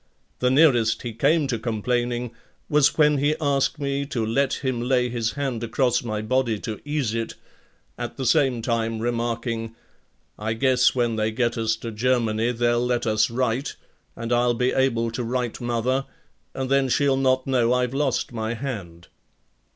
The nearest he came to complaining was when he asked me to let him lay his hand across my body to ease it, at the same time remarking: "I guess when they get us to Germany they'll let us write, and I'll be able to write mother and then she'll not know I've lost my hand."